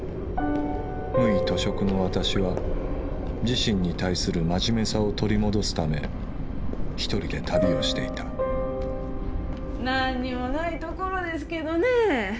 無為徒食の私は自身に対する真面目さを取り戻すため１人で旅をしていた何にもない所ですけどねえ